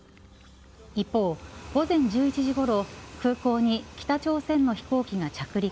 一方、午前１１時ごろ空港に北朝鮮の飛行機が着陸。